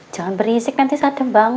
jangan berisik nanti sadam bangun